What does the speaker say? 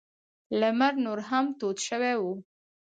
لمر نور هم تود شوی و.